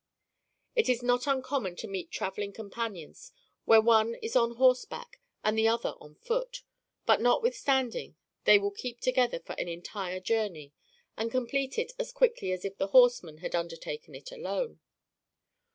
It is not uncommon to meet traveling companions where one is on horseback and the other on foot; but notwithstanding, they will keep together for an entire journey, and complete it as quickly as if the horseman had undertaken it alone.